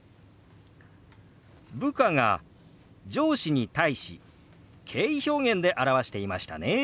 部下が上司に対し敬意表現で表していましたね。